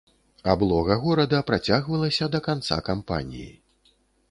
Аблога горада працягвалася да канца кампаніі.